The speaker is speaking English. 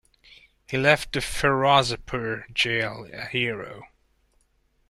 He left the Ferozepur jail a hero.